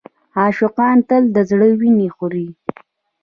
عاشقان تل د زړه وینه خوري.